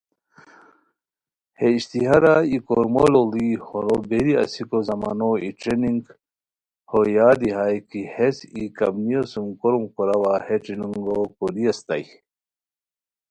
ہے اشتہارا ای کورمو لوڑی ہورو بیری اسیکو زمانو ای ٹریننگ ہو یادی ہائے کی ہیس ای کمپنیو سُم کوروم کوراوا ہے ٹریننگو کوری اسیتائے